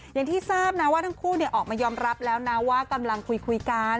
อย่างที่ทราบนะว่าทั้งคู่ออกมายอมรับแล้วนะว่ากำลังคุยกัน